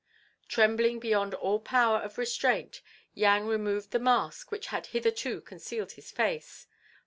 Trembling beyond all power of restraint, Yang removed the mask which had hitherto concealed his face.